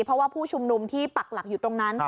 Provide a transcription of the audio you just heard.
เพราะว่าผู้ชุมนุมที่ปักหลักอยู่ตรงนั้น